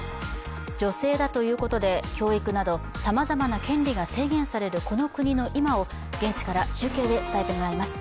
女性だということで教育などさまざまな権利が制限されるこの国の今を現地から中継で伝えてもらいます。